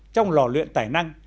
trong lò luyện tài năng